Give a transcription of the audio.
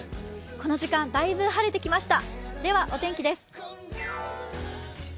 この時間だいぶ晴れてきました。